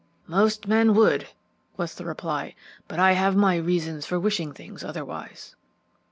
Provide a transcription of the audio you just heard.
"Most men would," was the reply; "but I have my reasons for wishing things otherwise."